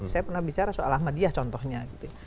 saya pernah bicara soal ahmadiyah contohnya gitu